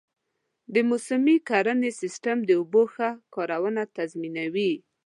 د موسمي کرنې سیستم د اوبو ښه کارونه تضمینوي.